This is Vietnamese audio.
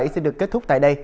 xin được kết thúc tại đây